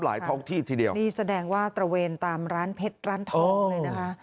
ท้องที่ทีเดียวนี่แสดงว่าตระเวนตามร้านเพชรร้านทองเลยนะคะ